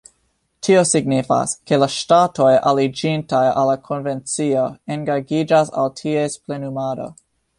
Tio signifas, ke la ŝtatoj aliĝintaj al la konvencio engaĝiĝas al ties plenumado.